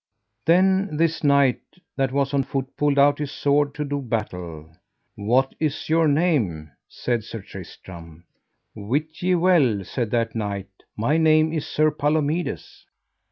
Then this knight that was on foot pulled out his sword to do battle. What is your name? said Sir Tristram. Wit ye well, said that knight, my name is Sir Palomides.